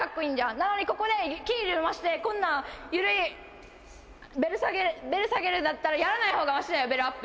なのにここで気緩ませて、こんな緩い、ベル下げるんだったら、やらないほうがましだよ、ベルアップ。